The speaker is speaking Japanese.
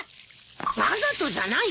わざとじゃないよ？